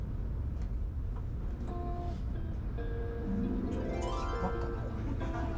めちゃくちゃ引っ張ったなこれ。